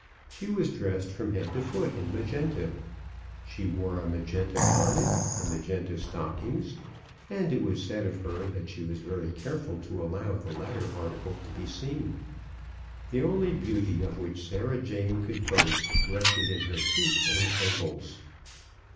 She was dressed from head to foot in magenta. She wore a magenta bonnet, and magenta stockings, and it was said of her that she was very careful to allow the latter article to be seen. The only beauty of which Sarah Jane could boast, rested in her feet and ankles.